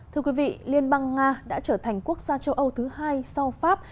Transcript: thưa quý vị liên bang nga đã trở thành quốc gia châu âu thứ hai sau pháp